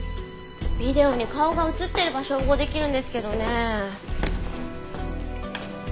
ビデオに顔が映ってれば照合出来るんですけどね。